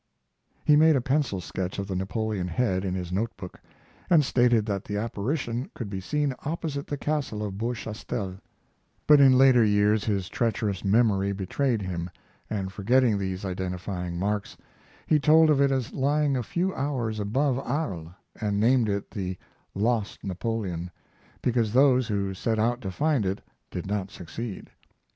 He made a pencil sketch of the Napoleon head in his note book, and stated that the apparition could be seen opposite the castle of Beauchastel; but in later years his treacherous memory betrayed him, and, forgetting these identifying marks, he told of it as lying a few hours above Arles, and named it the "Lost Napoleon," because those who set out to find it did not succeed.